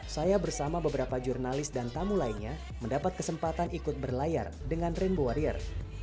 saya bersama beberapa jurnalis dan tamu lainnya mendapat kesempatan ikut berlayar dengan rainbow warrior